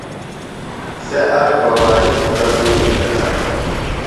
سےۡ آک ببائی مُٹہ تُوریۡ بھیٹہ۔